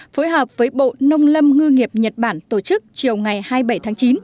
phối hợp với bộ nông lâm ngư nghiệp nhật bản tổ chức chiều ngày hai mươi bảy tháng chín